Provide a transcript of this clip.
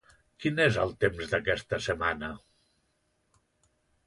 Quin és el temps d'aquesta setmana?